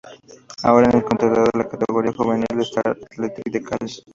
Ahora Es entrenador de la categoría juvenil en Star Athletic de cali.